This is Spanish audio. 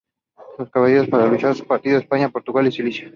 El Caballero, para luchar, partió a España, Portugal y Sicilia.